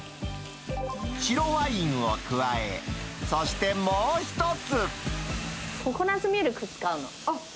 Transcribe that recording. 白ワインを加え、そしてもう一つ。